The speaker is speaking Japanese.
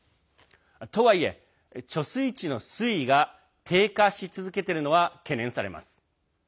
とはいえ、貯水池の水位が低下し続けているのは懸念されます。